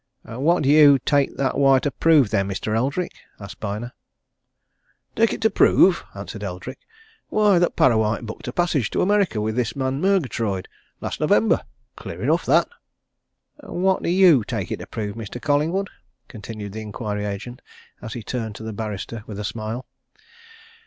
"What do you take that wire to prove, then, Mr. Eldrick?" asked Byner. "Take it to prove!" answered Eldrick. "Why, that Parrawhite booked a passage to America with this man Murgatroyd, last November. Clear enough, that!" "What do you take it to prove, Mr. Collingwood?" continued the inquiry agent, as he turned to the barrister with a smile.